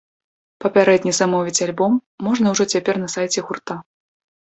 Папярэдне замовіць альбом можна ўжо цяпер на сайце гурта.